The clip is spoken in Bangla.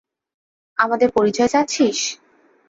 আমাদের পরিচয় চাচ্ছিস?